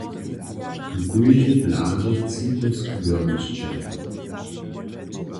W kóždej bladźe tči kusk wěrnosće.